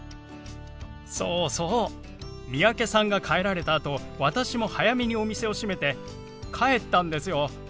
そうそう三宅さんが帰られたあと私も早めにお店を閉めて帰ったんですよ。